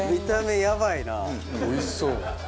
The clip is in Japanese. おいしそう。